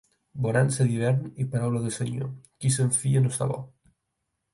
Bonança d'hivern i paraula de senyor, qui se'n fia no està bo.